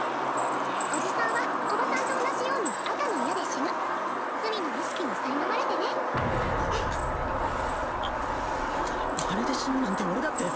叔父さんは叔母さんと同じように赤の矢で死ぬ罪の意識にさいなまれてねああれで死ぬなんて俺だって！